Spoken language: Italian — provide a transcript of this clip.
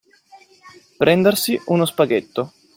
Prendersi uno spaghetto.